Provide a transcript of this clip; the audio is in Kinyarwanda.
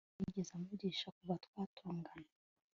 Bobo ntabwo yigeze amvugisha kuva twatongana